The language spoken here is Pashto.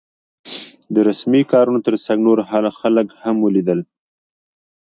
د رسمي کارونو تر څنګ نور خلک هم ولیدل.